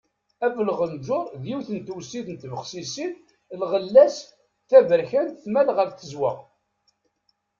Abelɣenǧur d yiwet n tewsit n tbexsisin, lɣella-s d taberkant tmal ɣer tezweɣ.